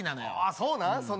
そうなん？